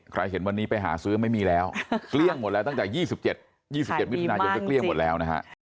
เห็นวันนี้ไปหาซื้อไม่มีแล้วเกลี้ยงหมดแล้วตั้งแต่๒๗๒๗มิถุนายนก็เกลี้ยงหมดแล้วนะฮะ